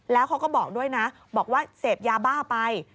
แล้วเขาก็บอกด้วยนะบอกว่าเสพยาบ้าไป